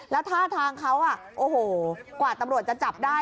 แล้วท่าทางเขาโอ้โหกว่าตำรวจจะจับได้